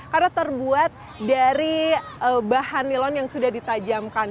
karena terbuat dari bahan nilon yang sudah ditajamkan